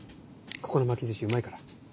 ここの巻きずしうまいから。